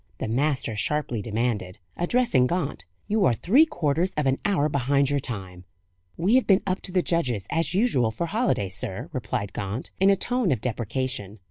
the master sharply demanded, addressing Gaunt. "You are three quarters of an hour behind your time." "We have been up to the judges, as usual, for holiday, sir," replied Gaunt, in a tone of deprecation.